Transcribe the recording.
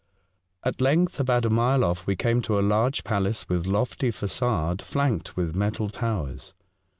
At length, about a mile off*, we came to a large palace with lofty facade, flanked with metal towers.